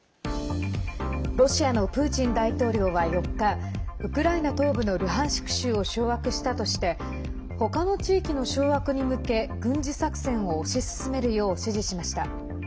ロシアのプーチン大統領は４日ウクライナ東部のルハンシク州を掌握したとしてほかの地域の掌握に向け軍事作戦を推し進めるよう指示しました。